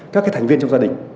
các thành viên trong gia đình